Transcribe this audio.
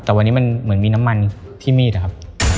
แต่วันนี้มันเหมือนมีน้ำมันที่มีดอะครับ